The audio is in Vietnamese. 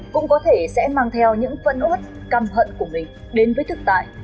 cũng có thể sẽ mang theo những phận ốt căm hận của mình đến với thực tại